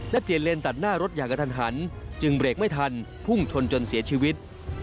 และเปลี่ยนเลนตัดหน้ารถอย่างกระทันหันจึงเบรกไม่ทันพุ่งชนจนเสียชีวิต